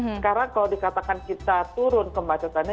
sekarang kalau dikatakan kita turun ke macetnya